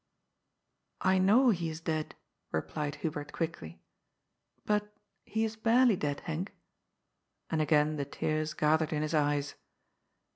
" I know he is dead," replied Hubert quickly. " But he is barely dead, Henk." And again the tears gathered in his eyes.